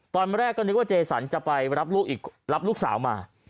ตอนแรกก็นึกว่าเจสันจะไปรับลูกสาวมา